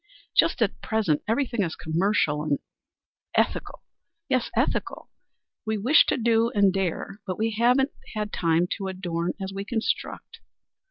Just at present everything is commercial and and ethical; yes, ethical. We wish to do and dare, but we haven't time to adorn as we construct.